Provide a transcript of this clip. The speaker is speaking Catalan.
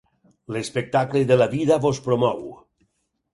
L'espectacle de la vida vos promou.